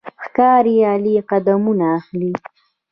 ښکاري غلی قدمونه اخلي.